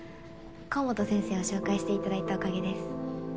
甲本先生を紹介して頂いたおかげです。